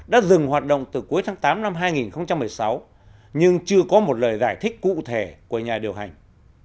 đã dừng hoạt động từ cuối tháng tám năm hai nghìn một mươi sáu nhưng chưa có một lời giải thích cụ thể của nhà điều hành